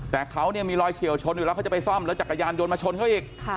แต่เขาเนี่ยมีรอยเฉียวชนอยู่แล้วเขาจะไปซ่อมแล้วจักรยานยนต์มาชนเขาอีก